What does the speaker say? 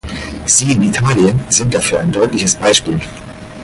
Sie in Italien sind dafür ein deutliches Beispiel.